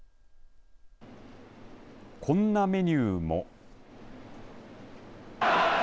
こんなメニューも。